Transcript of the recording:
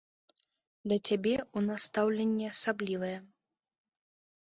Да цябе ў нас стаўленне асаблівае.